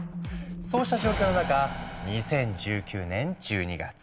そうした状況の中２０１９年１２月。